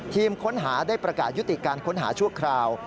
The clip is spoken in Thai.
ทีมค้นหาได้ประกาศยุติการค้นหาชั่วคราว